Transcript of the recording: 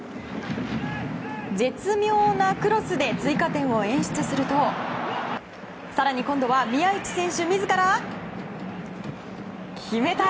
絶妙なクロスで追加点を演出すると更に今度は宮市選手自ら決めた！